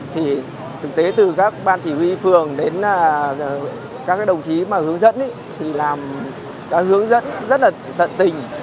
thì thực tế từ các ban chỉ huy phường đến các đồng chí mà hướng dẫn thì làm đã hướng dẫn rất là tận tình